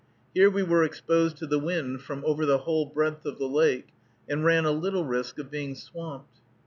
Here we were exposed to the wind from over the whole breadth of the lake, and ran a little risk of being swamped.